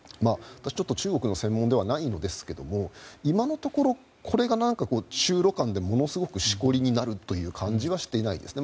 ちょっと私は中国の専門ではないんですが今のところこれが中ロ間でものすごいしこりになるという感じはしていないですね。